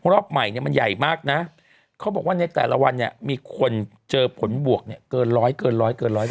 รอบใหม่มันใหญ่มากนะเขาบอกว่าในแต่ละวันมีคนเจอผลบวกเกินร้อยเกินร้อย